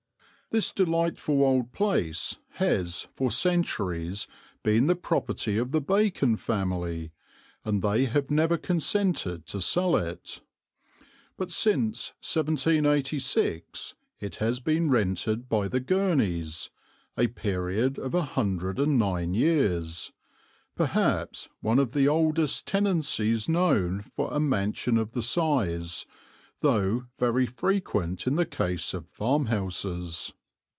This delightful old place has for centuries been the property of the Bacon family, and they have never consented to sell it; but since 1786 it has been rented by the Gurneys, a period of a hundred and nine years perhaps one of the oldest tenancies known for a mansion of the size, though very frequent in the case of farmhouses.